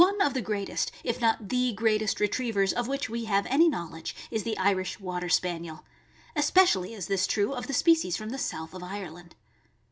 of the greatest, if not the greatest, retrievers of which we have any knowledge is the Irish Water Spaniel. Especially is this true of the species from the south of Ireland.